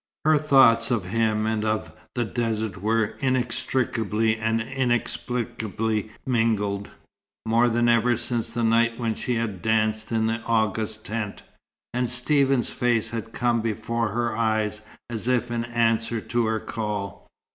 Her thoughts of him and of the desert were inextricably and inexplicably mingled, more than ever since the night when she had danced in the Agha's tent, and Stephen's face had come before her eyes, as if in answer to her call.